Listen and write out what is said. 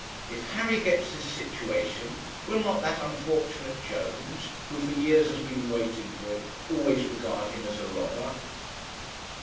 If Harry gets this situation, will not that unfortunate Jones, who for years has been waiting for it, always regard him as a robber?'